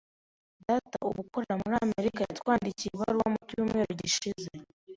Data, ubu ukora muri Amerika, yatwandikiye ibaruwa mu cyumweru gishize.